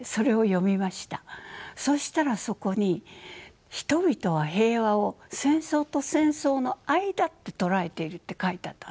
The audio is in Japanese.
そしたらそこに「人々は平和を戦争と戦争の間と捉えている」って書いてあったんです。